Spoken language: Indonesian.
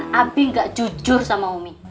sejak kapan abing gak jujur sama ummi